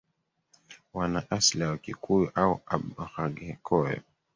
wana asili ya Wakikuyu au Abhaghekoyo